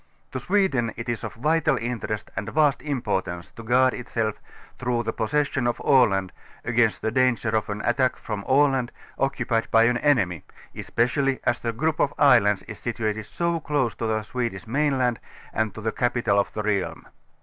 To Sweden it is of vital interest and vast importance to guard itself through the j)ossession of Aland against the danger of an attack from Aland, occupied by an enemy, especially as the group of islands is situated so close to the Swedish mainland and to the capital of the realm.